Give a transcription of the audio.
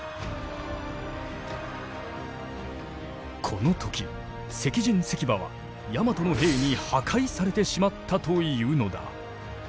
この時石人石馬はヤマトの兵に破壊されてしまったというのだ。